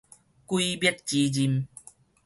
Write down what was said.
鬼滅之刃